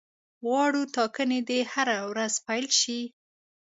غواړو ټاکنې دي هره ورځ پیل شي.